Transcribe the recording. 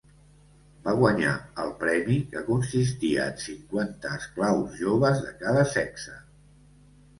Va guanyar el premi, que consistia en cinquanta esclaus joves de cada sexe.